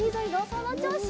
そのちょうし。